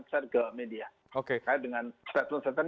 kesan ke media terkait dengan